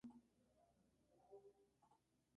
El elenco es "excelente".